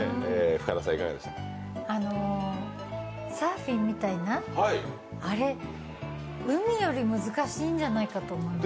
サーフィンみたいな、あれ、海より難しいんじゃないかと思います。